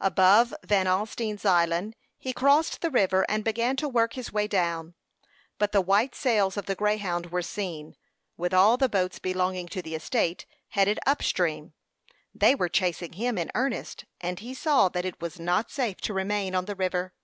Above Van Alstine's Island, he crossed the river, and began to work his way down; but the white sails of the Greyhound were seen, with all the boats belonging to the estate, headed up stream. They were chasing him in earnest, and he saw that it was not safe to remain on the river.